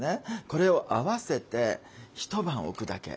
これを合わせて一晩置くだけ。